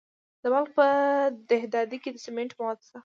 د بلخ په دهدادي کې د سمنټو مواد شته.